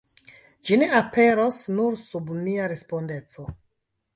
Ĝi ne aperos nur sub mia respondeco.